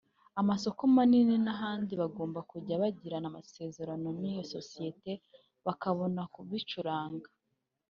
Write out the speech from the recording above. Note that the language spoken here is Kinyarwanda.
amasoko manini (Super market) n’ahandi bagomba kujya bagirana amasezerano n’iyo Sosiyete bakabona kubicuranga